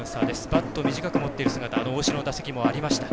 バットを短く持っている姿大城の打席もありました。